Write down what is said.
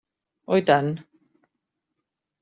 Oh, i tant!